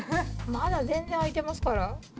まだ全然空いてますから。